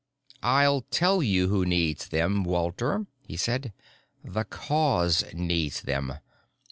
"I'll tell you who needs them, Walter," he said. "The Cause needs them.